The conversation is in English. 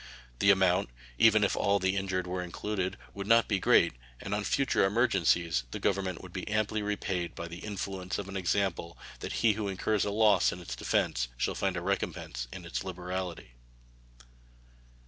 The amount, even if all the injured were included, would not be great, and on future emergencies the Government would be amply repaid by the influence of an example that he who incurs a loss in its defense shall find a recompense in its liberality.